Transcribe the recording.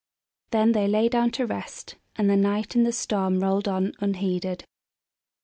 Then they lay down to rest, and the night and the storm rolled on unheeded.